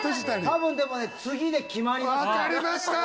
多分でもね次で決まります。